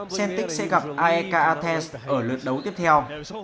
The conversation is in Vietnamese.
celtic sẽ gặp aek athens ở lượt đấu tiếp theo